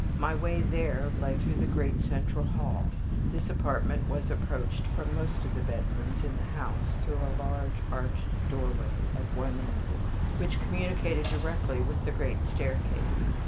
My way there lay through the great central hall. This apartment was approached from most of the bedrooms in the house through a large, arched doorway at one end of it, which communicated directly with the great staircase.